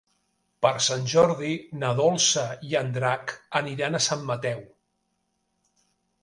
Per Sant Jordi na Dolça i en Drac aniran a Sant Mateu.